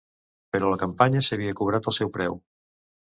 Però la campanya s'havia cobrat el seu preu.